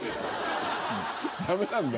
ダメなんだ。